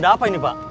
ada apa ini pak